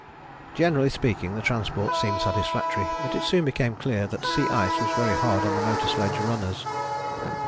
Generally speaking the transport seemed satisfactory, but it soon became clear that sea ice was very hard on the motor sledge runners.